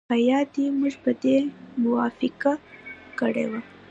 په یاد دي موږ په دې موافقه کړې وه